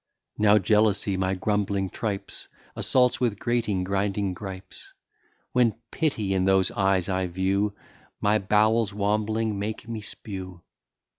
Now jealousy my grumbling tripes Assaults with grating, grinding gripes. When pity in those eyes I view, My bowels wambling make me spew.